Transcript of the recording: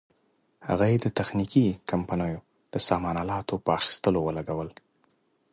هغه یې د تخنیکي کمپنیو د سامان الاتو په اخیستلو ولګول.